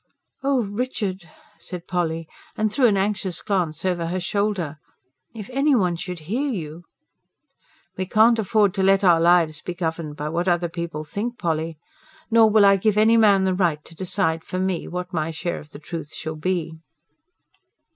"Oh, Richard!" said Polly, and threw an anxious glance over her shoulder. "If anyone should hear you!" "We can't afford to let our lives be governed by what other people think, Polly. Nor will I give any man the right to decide for me what my share of the Truth shall be."